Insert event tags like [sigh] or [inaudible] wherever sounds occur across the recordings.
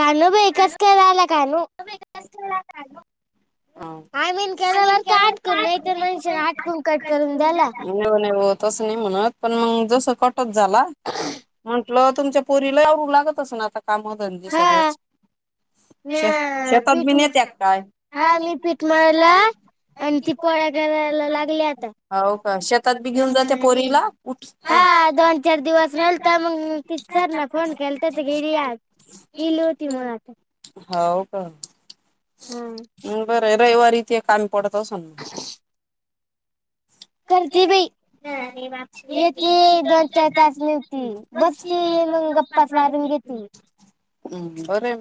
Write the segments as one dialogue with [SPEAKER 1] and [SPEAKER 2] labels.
[SPEAKER 1] कानू बिएकच करालिया कानू
[SPEAKER 2] तुम्ही [inaudible] हा [inaudible] तसं नाही म्हणत, पण मग जस कटच झाला. म्हंटलं तुमच्या पोरीला लई आवरू लागत, असंना आता काम धंदे सगळेच
[SPEAKER 1] न्या पीठ हा मी पीठ मळलं आणि ती पोळ्या कराय लागली आता. हा दोन चार दिवस राहंलत मग तिच कर, ना फोन केलत तर गेली आज गेली होती माट
[SPEAKER 2] हाव का बर रविवारी ते कामी पडतं असंन.
[SPEAKER 1] करती बाई ह येते दोन चार तास निव्हती, बसती मग गप्पाचं मारून घेत ह्
[SPEAKER 2] हम्म बर आहे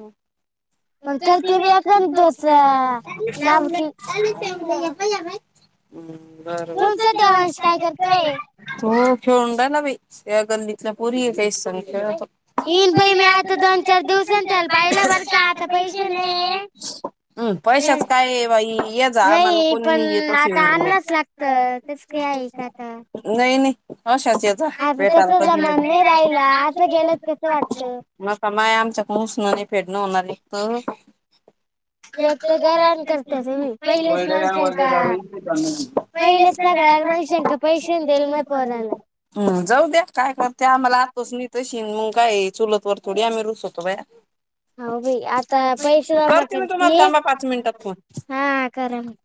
[SPEAKER 2] मग [unintelligible] कोणाचं देवाचं काय घेतयं तो खेळून राहिला बाई ह्या गल्लीतल्या, पोरी आहं त्यासगं खेळतो. [unintelligible] म् पैशाच काय बाई ये, जा मला कोणी नाही येतो अस.
[SPEAKER 1] लागतं तेच की ऐक आता.
[SPEAKER 2] नाही- नाही आशाचं येत [unintelligible] मसा माय आमच्यात मुसनं नाही फेडणं होणार एकतर [unintelligible] पहिले काय बोलले गाडी रिकामी पहिले सगळ [unintelligible] ह जाऊ द्या. काय करते आम्हाला आजपासून इथं शिगून काय चुलत वर्तुळी आम्ही रुसतो बया [inaudible]
[SPEAKER 1] हाव बाई आता पैसे जमा करती. हा करन.